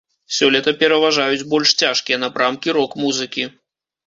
Сёлета пераважаюць больш цяжкія напрамкі рок-музыкі.